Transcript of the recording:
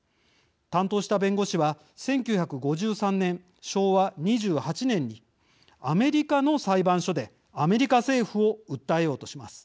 担当した弁護士は１９５３年、昭和２８年にアメリカの裁判所でアメリカ政府を訴えようとします。